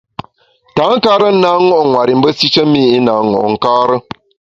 Tankare na ṅo’ nwer i mbe nsishe mi i na ṅo’ nkare.